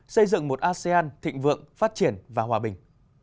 xây dựng một asean thịnh vượng phát triển và hòa bình